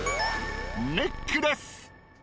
［ネックレス］